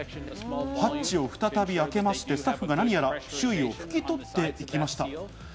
ハッチを再び開けまして、スタッフが何やら周囲をふき取っていきました。